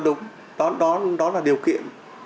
hoàn toàn đúng đó là điều kiện